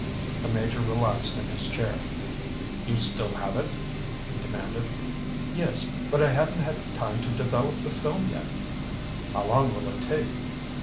The Major relaxed in his chair. "You still have it?" he demanded. "Yes, but I haven't had time to develop the film yet." "How long will it take?"